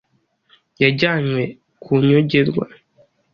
yajyanywe kunyongerwa mu Ruhengeri